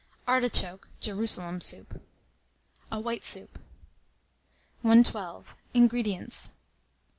ARTICHOKE (JERUSALEM) SOUP. (A White Soup.) 112. INGREDIENTS.